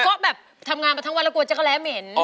ก็แบบทำงานมาทั้งวันแล้วกลัวจักรแร้เหม็น